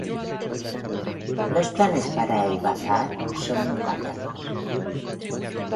Los planes para el Bazaar son variados.